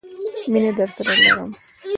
مینه درسره لرم